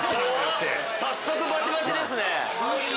早速バチバチですね。